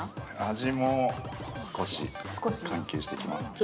◆味も、少し関係してきます。